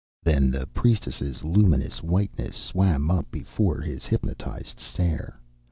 Then the priestess' luminous whiteness swam up before his hypnotized stare.